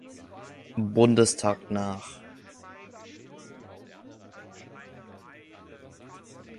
Bundestag nach.